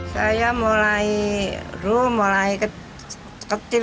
saya mulai rumah mulai kecil